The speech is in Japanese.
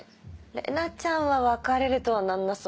玲奈ちゃんは別れるとはならなそう。